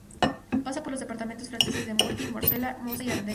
Pasa por los departamentos franceses de Meurthe y Mosela, Mosa y Ardenas.